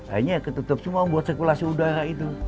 akhirnya ketutup semua buat sirkulasi udara itu